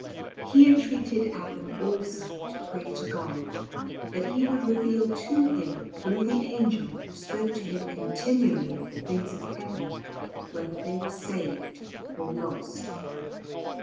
He entreated Abban also to pray to God that He would reveal to him through the angel who spoke to him continually of the things of heaven, whether they were saved or lost.